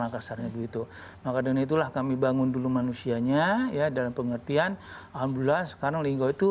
maka dengan itulah kami bangun dulu manusianya ya dalam pengertian alhamdulillah sekarang wulinggo itu